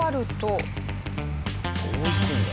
どう行くんだ？